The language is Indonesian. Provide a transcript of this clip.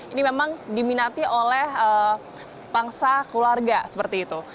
ini memang diminati oleh pangsa keluarga seperti itu